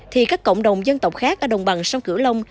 thì các cộng đồng dân tộc khác ở đồng bằng sông cửu long